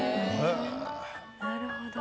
なるほど。